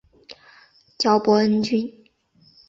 爵波恩君。